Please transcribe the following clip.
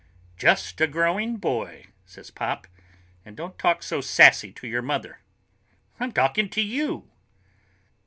"Just a growing boy," says Pop. "And don't talk so sassy to your mother." "I'm talking to you!"